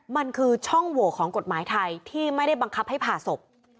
มันคือช่องโหวของกฎหมายไทยที่ไม่ได้บังคับให้ผ่าศพ